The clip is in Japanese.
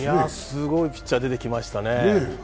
すごいピッチャー出てきましたね。